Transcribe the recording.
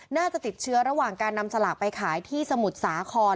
น่าจะติดเชื้อระหว่างการนำสลากไปขายที่สมุทรสาคร